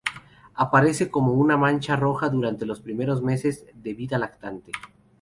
Aparece como una mancha roja durante los primeros meses de vida del lactante.